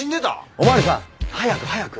お巡りさん早く早く！